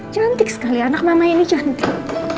cantik sekali anak mama ini cantik